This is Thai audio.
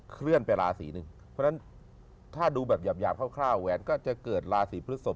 เคลื่อนไปราศีหนึ่งเพราะฉะนั้นถ้าดูแบบหยาบคร่าวแหวนก็จะเกิดราศีพฤศพ